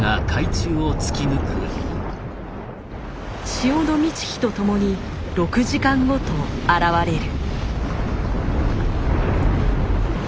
潮の満ち干とともに６時間ごと現れる。